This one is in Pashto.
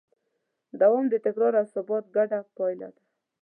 دوام د تکرار او ثبات ګډه پایله ده.